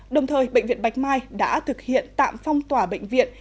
đồng thời bệnh viện bạch mai đã thực hiện tạm phong tỏa bệnh viện